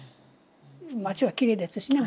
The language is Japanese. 町はきれいですしね